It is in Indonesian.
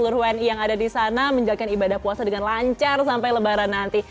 seluruh wni yang ada di sana menjalankan ibadah puasa dengan lancar sampai lebaran nanti